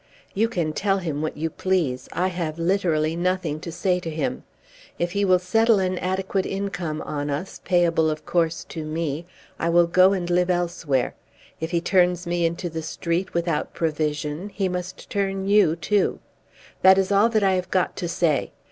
"You can tell him what you please. I have literally nothing to say to him. If he will settle an adequate income on us, payable of course to me, I will go and live elsewhere. If he turns me into the street without provision, he must turn you too. That is all that I have got to say.